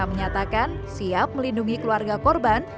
menyatakan siap melindungi keluarga korban